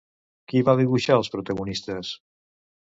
Qui va dibuixar els protagonistes?